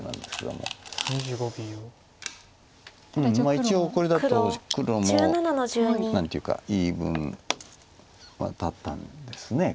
一応これだと黒も何ていうか言い分は立ったんです黒も。